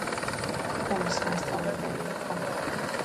დედამისი მასწავლებელი იყო.